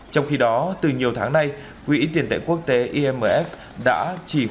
trong khi đó từ nhiều tháng nay quỹ tiền tệ quốc tế imf đã chỉ